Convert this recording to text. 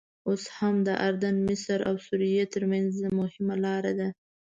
اوس هم د اردن، مصر او سوریې ترمنځ مهمه لاره ده.